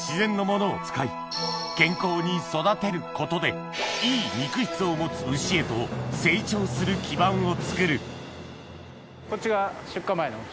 なるべくことでいい肉質を持つ牛へと成長する基盤を作るこっちが出荷前の牛。